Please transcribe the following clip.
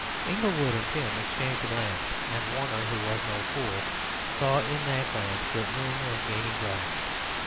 Inglewood and Pym exchanged a glance; and Warner, who was no fool, saw in that glance that Moon was gaining ground.